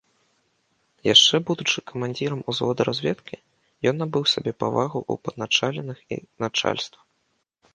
Яшчэ будучы камандзірам узвода разведкі, ён набыў сабе павагу ў падначаленых і начальства.